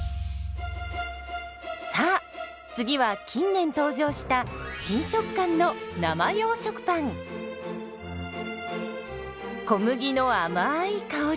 さあ次は近年登場した新食感の小麦のあまい香り。